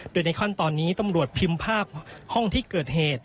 โดยในขั้นตอนนี้ตำรวจพิมพ์ภาพห้องที่เกิดเหตุ